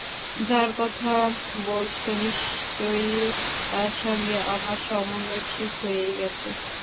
যাঁর কথা বলছ নিশ্চয়ই তাঁর সঙ্গে আমার সম্বন্ধ ঠিক হয়েই গেছে।